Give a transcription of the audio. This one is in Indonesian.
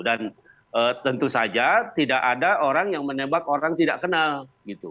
dan tentu saja tidak ada orang yang menembak orang tidak kenal gitu